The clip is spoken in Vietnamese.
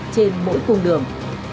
trên mỗi cung đường